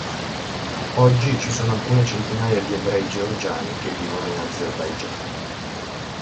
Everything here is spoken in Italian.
Oggi ci sono alcune centinaia di ebrei georgiani che vivono in Azerbaigian.